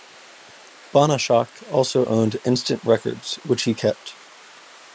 Banashak also owned Instant Records, which he kept.